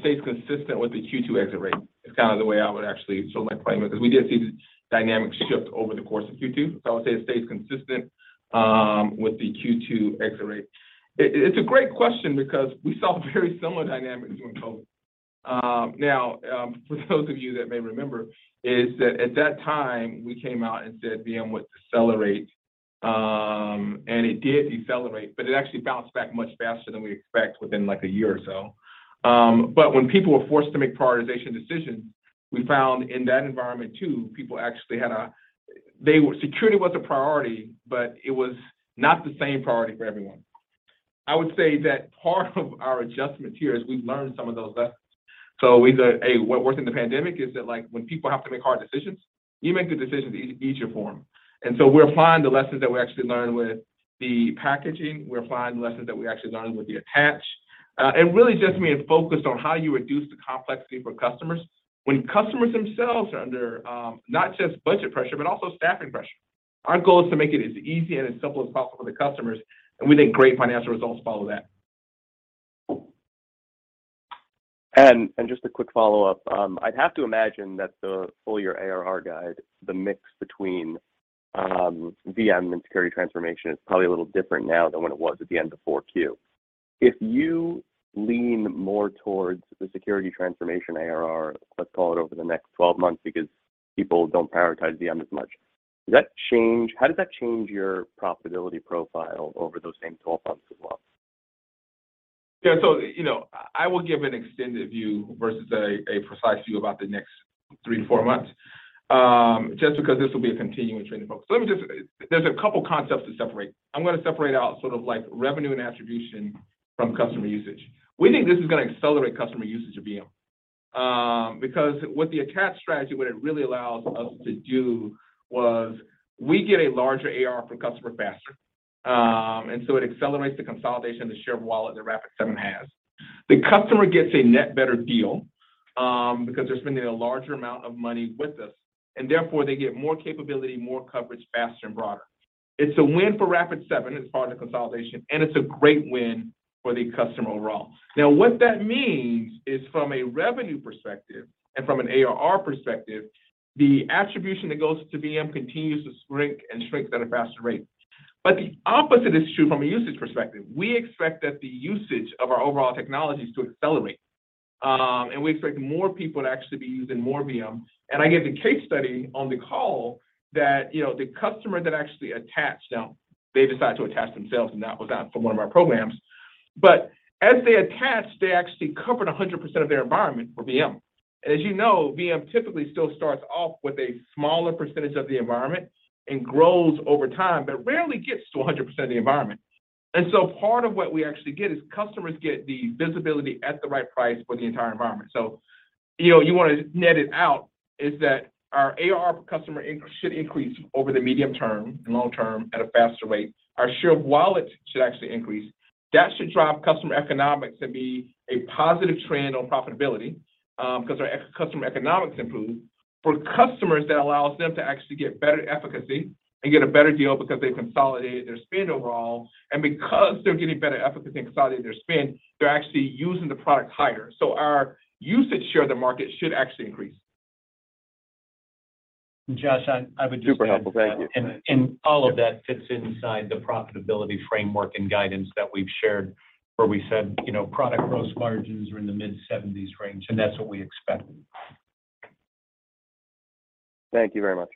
stays consistent with the Q2 exit rate. It's kind of the way I would actually sort of like frame it, 'cause we did see the dynamic shift over the course of Q2. I would say it stays consistent with the Q2 exit rate. It's a great question because we saw very similar dynamics during COVID. Now, for those of you that may remember is that at that time, we came out and said VM would accelerate, and it did decelerate, but it actually bounced back much faster than we expect within, like, a year or so. When people were forced to make prioritization decisions, we found in that environment too, people actually had a... Security was a priority, but it was not the same priority for everyone. I would say that part of our adjustment here is we've learned some of those lessons. We said, "Hey, what worked in the pandemic is that, like, when people have to make hard decisions, you make the decisions easier for them." We're applying the lessons that we actually learned with the packaging. We're applying the lessons that we actually learned with the attach. It really just means focused on how you reduce the complexity for customers. When customers themselves are under, not just budget pressure, but also staffing pressure, our goal is to make it as easy and as simple as possible for the customers, and we think great financial results follow that.
Just a quick follow-up. I'd have to imagine that the full year ARR guide, the mix between VM and security transformation is probably a little different now than what it was at the end of Q4. If you lean more towards the security transformation ARR, let's call it over the next 12 months because people don't prioritize VM as much, how does that change your profitability profile over those same 12 months as well?
Yeah. You know, I will give an extended view versus a precise view about the next three to four months, just because this will be a continuing trend. There's a couple concepts to separate. I'm gonna separate out sort of like revenue and attribution from customer usage. We think this is gonna accelerate customer usage of VM, because what the attach strategy, what it really allows us to do was we get a larger ARR per customer faster. It accelerates the consolidation of the shared wallet that Rapid7 has. The customer gets a net better deal, because they're spending a larger amount of money with us, and therefore, they get more capability, more coverage, faster and broader. It's a win for Rapid7 as far as the consolidation, and it's a great win for the customer overall. Now, what that means is from a revenue perspective and from an ARR perspective, the attribution that goes to VM continues to shrink and shrink at a faster rate. The opposite is true from a usage perspective. We expect that the usage of our overall technologies to accelerate, and we expect more people to actually be using more VM. I gave the case study on the call that, you know, the customer that actually attached, now they decided to attach themselves and that was not from one of our programs. As they attached, they actually covered 100% of their environment for VM. As you know, VM typically still starts off with a smaller percentage of the environment and grows over time, but rarely gets to 100% of the environment. Part of what we actually get is customers get the visibility at the right price for the entire environment. You know, you wanna net it out is that our ARR per customer should increase over the medium term and long term at a faster rate. Our shared wallet should actually increase. That should drive customer economics to be a positive trend on profitability, 'cause our customer economics improve. For customers, that allows them to actually get better efficacy and get a better deal because they consolidated their spend overall. Because they're getting better efficacy and consolidated their spend, they're actually using the product higher. Our usage share of the market should actually increase.
Joshua, I would just add.
Super helpful. Thank you.
All of that fits inside the profitability framework and guidance that we've shared where we said, you know, product gross margins are in the mid-70s range, and that's what we expect.
Thank you very much.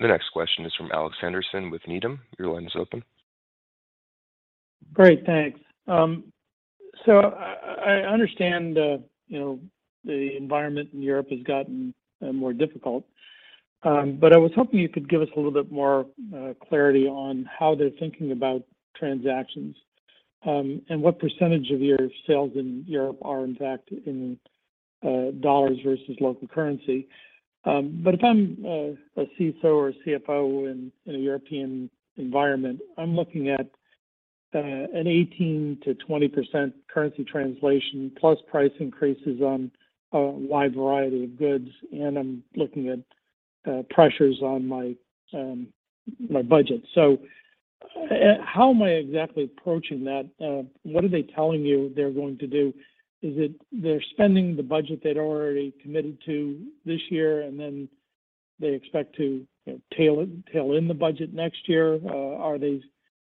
The next question is from Alex Henderson with Needham. Your line is open.
Great. Thanks. I understand you know the environment in Europe has gotten more difficult, but I was hoping you could give us a little bit more clarity on how they're thinking about transactions, and what percentage of your sales in Europe are in fact in dollars versus local currency. But if I'm a CISO or a CFO in a European environment, I'm looking at an 18%-20% currency translation plus price increases on a wide variety of goods, and I'm looking at pressures on my budget. How am I exactly approaching that? What are they telling you they're going to do? Is it they're spending the budget they'd already committed to this year and then they expect to, you know, tail in the budget next year? Are they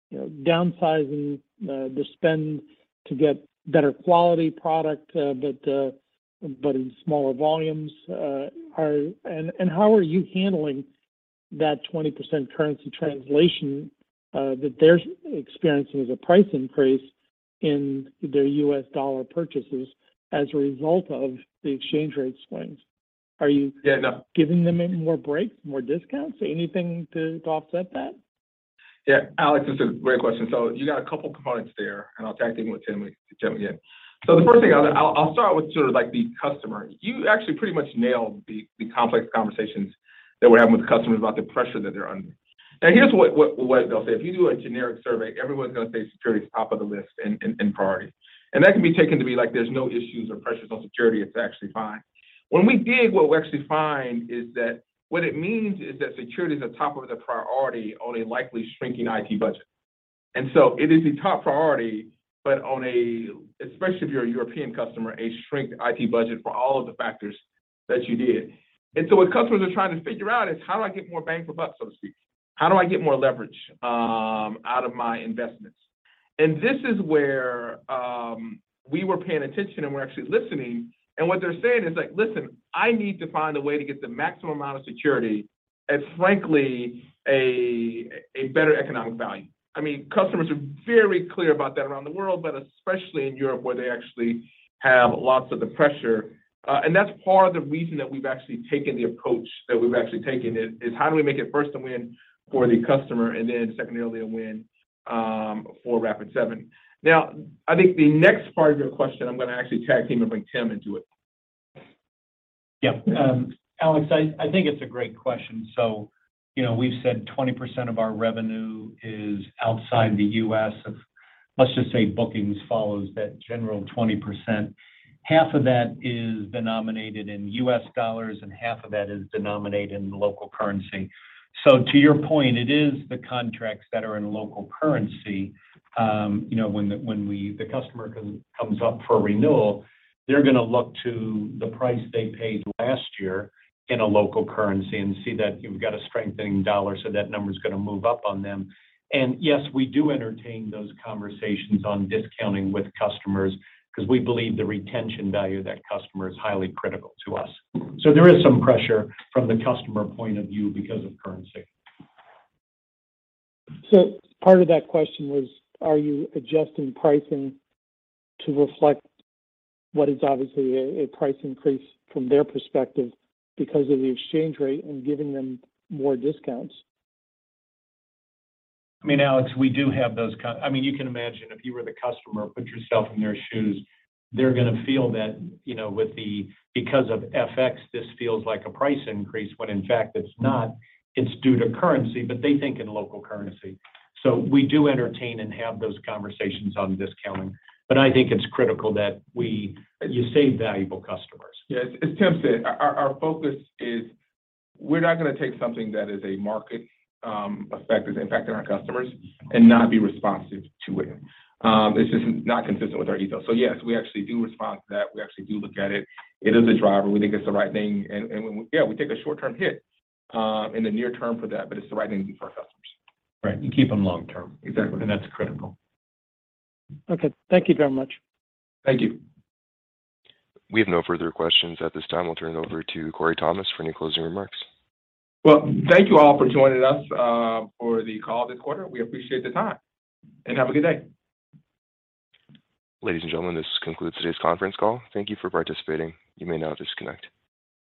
you know, downsizing the spend to get better quality product, but in smaller volumes. How are you handling that 20% currency translation that they're experiencing as a price increase in their US dollar purchases as a result of the exchange rate swings? Are you-
Yeah. No
giving them any more breaks, more discounts, anything to offset that?
Yeah. Alex, it's a great question. You got a couple components there, and I'll tag team with Tim again. The first thing, I'll start with sort of like the customer. You actually pretty much nailed the complex conversations that we're having with customers about the pressure that they're under. Now, here's what they'll say. If you do a generic survey, everyone's gonna say security's top of the list and priority. That can be taken to be like there's no issues or pressures on security, it's actually fine. When we dig, what we actually find is that what it means is that security is the top of the priority on a likely shrinking IT budget. It is a top priority, but especially if you're a European customer, a shrinking IT budget for all of the factors that you did. What customers are trying to figure out is, how do I get more bang for buck, so to speak? How do I get more leverage out of my investments? This is where we were paying attention and we're actually listening. What they're saying is like, "Listen, I need to find a way to get the maximum amount of security at, frankly, a better economic value." I mean, customers are very clear about that around the world, but especially in Europe, where they actually have lots of the pressure. That's part of the reason that we've actually taken the approach that we've actually taken is how do we make it first a win for the customer and then secondarily a win for Rapid7. Now, I think the next part of your question, I'm gonna actually tag team and bring Tim into it.
Yeah. Alex, I think it's a great question. You know, we've said 20% of our revenue is outside the U.S. Let's just say bookings follows that general 20%. Half of that is denominated in U.S. dollars, and half of that is denominated in local currency. To your point, it is the contracts that are in local currency, you know, when we, the customer comes up for a renewal, they're gonna look to the price they paid last year in a local currency and see that you've got a strengthening dollar, so that number's gonna move up on them. Yes, we do entertain those conversations on discounting with customers 'cause we believe the retention value of that customer is highly critical to us. There is some pressure from the customer point of view because of currency.
Part of that question was, are you adjusting pricing to reflect what is obviously a price increase from their perspective because of the exchange rate and giving them more discounts?
I mean, Alex, we do have those. I mean, you can imagine if you were the customer, put yourself in their shoes. They're gonna feel that, you know, because of FX. This feels like a price increase, when in fact it's not. It's due to currency, but they think in local currency. We do entertain and have those conversations on discounting, but I think it's critical that we save valuable customers.
Yeah. As Tim said, our focus is we're not gonna take something that is a market effect that's impacting our customers and not be responsive to it. It's just not consistent with our ethos. Yes, we actually do respond to that. We actually do look at it. It is a driver. We think it's the right thing. Yeah, we take a short-term hit in the near term for that, but it's the right thing to do for our customers.
Right. You keep them long term.
Exactly.
That's critical.
Okay. Thank you very much.
Thank you.
We have no further questions at this time. We'll turn it over to Corey Thomas for any closing remarks.
Well, thank you all for joining us, for the call this quarter. We appreciate the time, and have a good day.
Ladies and gentlemen, this concludes today's conference call. Thank you for participating. You may now disconnect.